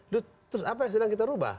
terus apa yang sedang kita ubah